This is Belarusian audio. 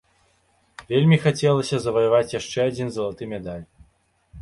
Вельмі хацелася заваяваць яшчэ адзін залаты медаль.